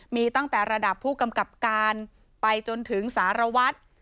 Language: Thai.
มีตั้งแต่ระดับผู้กำกับการไปจนถึงสารวัตร